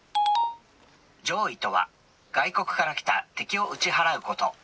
攘夷とは外国からきた敵を打ち払うこと。